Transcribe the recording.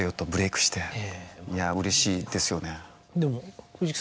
うれしいですよね。